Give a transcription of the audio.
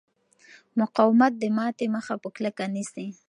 مقاومت د ماتې مخه په کلکه نیسي.